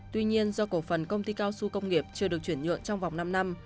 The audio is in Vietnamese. tuy nhiên do cổ phần công ty cao su công nghiệp chưa được chuyển nhựa trong vòng năm năm